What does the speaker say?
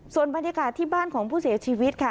ส่วนบรรยากาศที่บ้านของผู้เสียชีวิตค่ะ